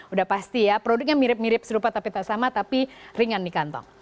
udah pasti ya produknya mirip mirip serupa tapi tak sama tapi ringan di kantong